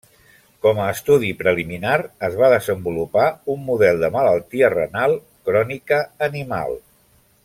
Com a estudi preliminar, es va desenvolupar un model de malaltia renal crònica animal.